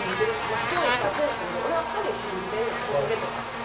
人はいっぱい殺したけど俺は神信じてんねん仏とかって言って。